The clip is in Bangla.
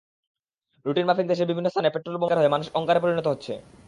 রুটিনমাফিক দেশের বিভিন্ন স্থানে পেট্রলবোমার শিকার হয়ে মানুষ অঙ্গারে পরিণত হচ্ছে।